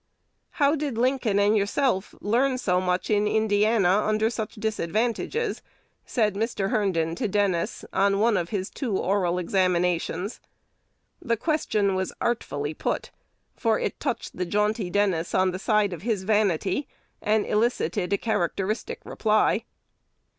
"How did Lincoln and yourself learn so much in Indiana under such disadvantages?" said Mr. Herndon to Dennis, on one of his two oral examinations. The question was artfully put; for it touched the jaunty Dennis on the side of his vanity, and elicited a characteristic reply.